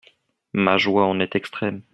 Ma joie en est extrême.